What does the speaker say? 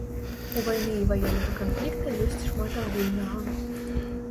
У вайны і ваеннага канфлікта ёсць шмат агульнага.